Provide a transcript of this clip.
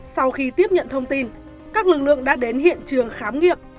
sau khi tiếp nhận thông tin các lực lượng đã đến hiện trường khám nghiệm